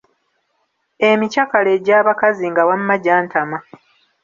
Emikyakalo egy'abakazi nga wamma gyantama.